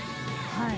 はい。